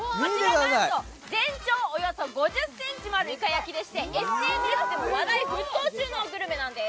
全長およそ５０ｃｍもあるイカ焼きでしてＳＮＳでも話題沸騰なんです。